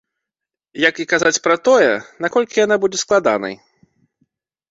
Як і казаць пра тое, наколькі яна будзе складанай.